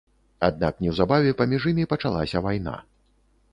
Аднак неўзабаве паміж імі пачалася вайна.